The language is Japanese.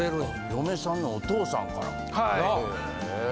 嫁さんのお父さんからへぇ。